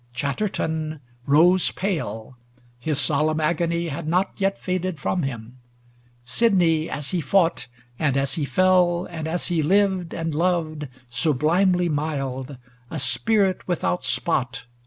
Chatterton Rose pale, ŌĆö his solemn agony had not Yet faded from him ; Sidney, as he fought And as he fell and as he lived and loved Sublimely mild, a Spirit without spot.